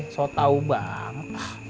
so tau banget